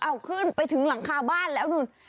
เอาขึ้นไปถึงหลังคาบ้านแล้วนู่น